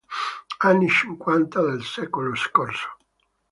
Anni cinquanta del secolo scorso.